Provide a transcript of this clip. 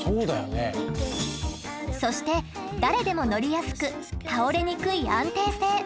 そして誰でも乗りやすく倒れにくい安定性。